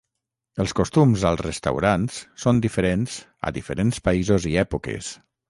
Els costums als restaurants són diferents a diferents països i èpoques.